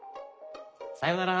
さようなら！